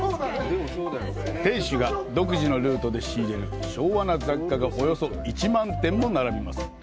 店主が独自のルートで仕入れる昭和な雑貨がおよそ１万点も並びます。